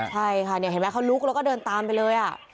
ใช่ค่ะเห็นไหมเขาลุกแล้วก็เดินตามไปเลย